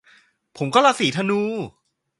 ผมก็ราศีธนู